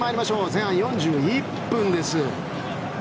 前半４１分です。